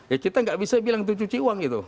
ya kita nggak bisa bilang itu cuci uang gitu